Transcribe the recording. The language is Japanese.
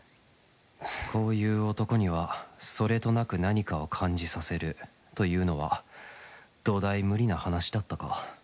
こういう男にはそれとなく何かを感じさせるというのはどだい無理な話だったか